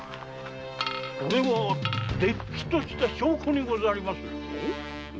これはれっきとした証拠にござりまするぞ。